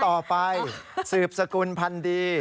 และต่อไปสืบสกุลพันธ์ดี